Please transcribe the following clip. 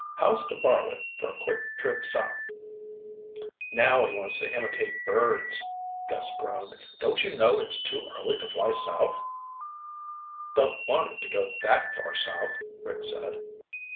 "How's to borrow it for a quick trip south?" "Now he wants to imitate birds," Gus groaned. "Don't you know it's too early to fly south?" "Don't want to go that far south," Rick said.